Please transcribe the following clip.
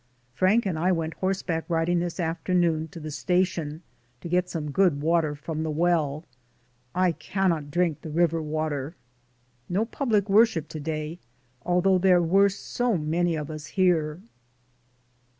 Frank and I went horseback riding this after 'j^y DAYS ON THE ROAD. noon to the station to get some good water from the well. I cannot drink the river water. No public worship to day, although there were so many of us here.